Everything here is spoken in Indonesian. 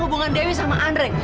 hubungan dewi sama andre